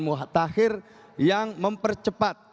muatakhir yang mempercepat